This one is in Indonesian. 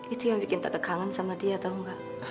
itu yang bikin tak terkangen sama dia tahu gak